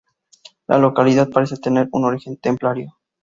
La localidad parece tener un origen templario.